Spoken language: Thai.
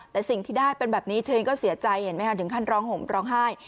แต่สิ่งที่ได้เป็นแบบนี้เธอเองก็เสียใจเห็นไหมคะถึงขั้นร้องห่มร้องไห้